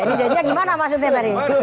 janjianya bagaimana maksudnya tadi